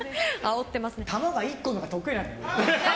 球が１個のほうが得意なんだよ。